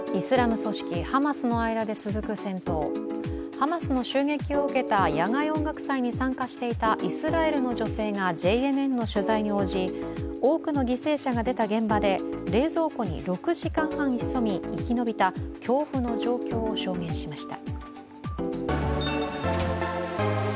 ハマスの襲撃を受けた野外音楽祭に参加していたイスラエルの女性がＪＮＮの取材に応じ、多くの犠牲者が出た現場で冷蔵庫に６時間半潜み生き延びた恐怖の状況を証言しました。